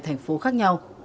thành phố khác nhau